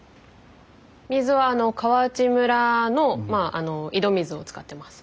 水は川内村の井戸水を使ってます。